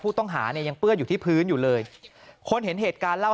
ผู้ต้องหาเนี่ยยังเปื้อนอยู่ที่พื้นอยู่เลยคนเห็นเหตุการณ์เล่า